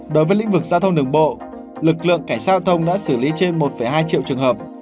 đối với lĩnh vực giao thông đường bộ lực lượng cảnh sát giao thông đã xử lý trên một hai triệu trường hợp